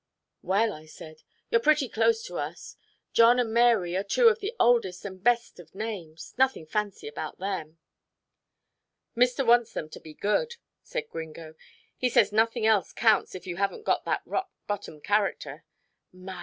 "Well," I said, "you're pretty close to us. John and Mary are two of the oldest and best of names. Nothing fancy about them." "Mister wants them to be good," said Gringo. "He says nothing else counts, if you haven't got that rock bottom character. My!